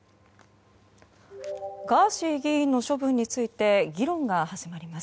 ガーシー議員の処分について議論が始まります。